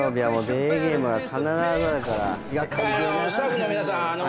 スタッフの皆さん